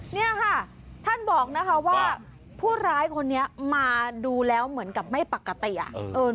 เนี่ยค่ะท่านบอกนะคะว่าผู้ร้ายคนนี้มาดูแล้วเหมือนกับไม่ปกติอ่ะ